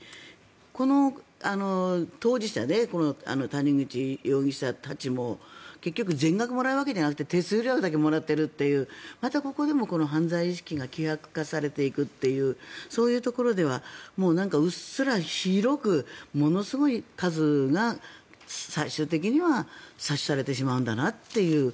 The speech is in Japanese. この当事者ねこの谷口容疑者たちも結局、全額もらうわけじゃなくて手数料だけもらっているというまたここでも犯罪意識が希薄化されていくというそういうところではうっすら広く、ものすごい数が最終的には詐取されてしまうんだなという。